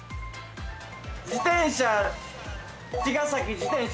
自転車、茅ヶ崎、自転車。